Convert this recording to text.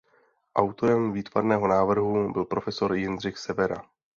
Autorem výtvarného návrhu byl profesor Jindřich Severa.